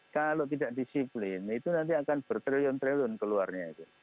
kalau tidak disiplin itu nanti akan bertrillion trillion keluarnya